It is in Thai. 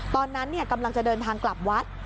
ตอนนั้นกำลังจะเดินทางกลับวัด